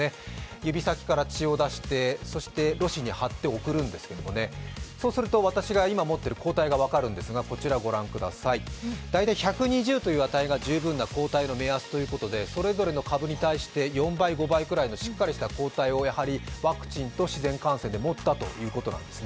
指先から血を出して、ろ紙に貼って送るんですけど、そうすると、今、私が持っている抗体が分かるんですが大体１２０という値が十分な抗体の目安ということでそれぞれの株に対して４倍、５倍くらいの抗体の量を持ったということなんですね。